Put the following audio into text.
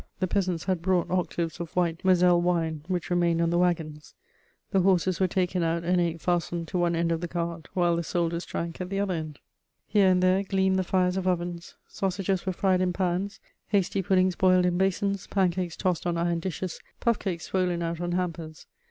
The peasants had brought octaves of white Moselle wine, which remained on the wagons: the horses were taken out and ate fastened to one end of the cart, while the soldiers drank at the other end. Here and there gleamed the fires of ovens. Sausages were fried in pans, hasty puddings boiled in basins, pancakes tossed on iron dishes, puffcakes swollen out on hampers.